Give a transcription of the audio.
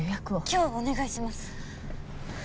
今日お願いします。